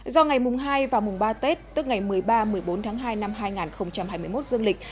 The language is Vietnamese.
do ngày mùng hai và mùng ba tết tức ngày một mươi ba một mươi bốn tháng hai năm hai nghìn hai mươi một dương lịch